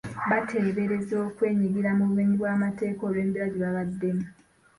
Bateebereza okwenyigira mu bumenyi bw’amateeka olw’embeera gye baabaddemu.